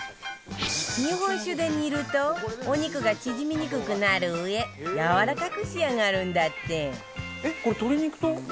日本酒で煮るとお肉が縮みにくくなるうえやわらかく仕上がるんだって